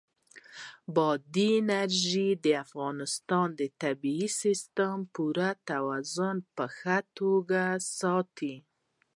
بادي انرژي د افغانستان د طبعي سیسټم پوره توازن په ښه توګه ساتي.